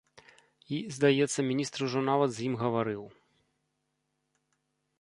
І, здаецца, міністр ужо нават з ім гаварыў.